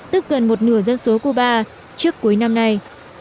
tức gần một nửa dân số cuba trước cuối năm nay